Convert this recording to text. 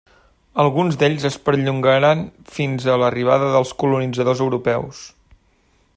Alguns d'ells es perllongaren fins a l'arribada dels colonitzadors europeus.